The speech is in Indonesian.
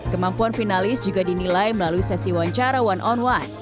kemampuan finalis juga dinilai melalui sesi wawancara one on one